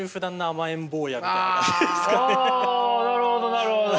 あなるほどなるほど。